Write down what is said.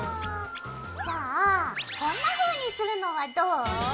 じゃあこんなふうにするのはどう？